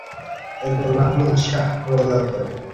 এরপর মাহমুদ শাহ ক্ষমতা লাভ করেন।